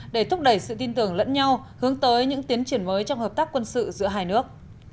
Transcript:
để thúc đẩy sự tin tưởng lẫn nhau hướng tới những tiến triển mới trong hợp tác quân sự giữa hai nước